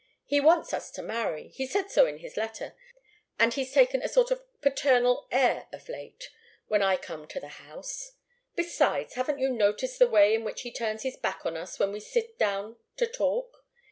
He wants us to marry. He said so in his letter, and he's taken a sort of paternal air of late, when I come to the house. Besides, haven't you noticed the way in which he turns his back on us when we sit down to talk?